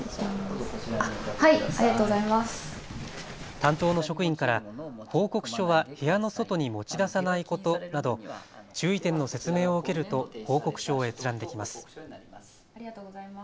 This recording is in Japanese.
担当の職員から報告書は部屋の外に持ち出さないことなど注意点の説明を受けると報告書を閲覧できます。